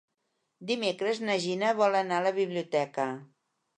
Dimecres na Gina vol anar a la biblioteca.